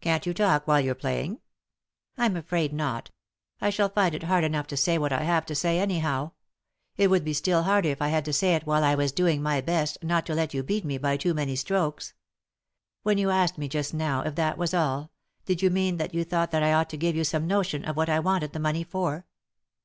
"Can't you talk while you're playing?" "I'm afraid not I shall find it hard enough to say what I have to say anyhow ; it would be still harder if I had to say it while I was doing my best not to let you beat me by too many strokes. When you asked me just now if that was all, did you mean that you thought that I ought to give you some notion of what I wanted the money for